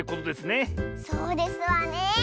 そうですわね！